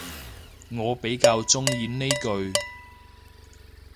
我比較鍾意呢句